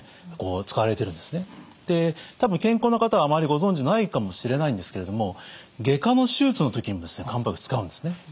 で多分健康な方はあまりご存じないかもしれないんですけれども外科の手術の時にも漢方薬使うんですね。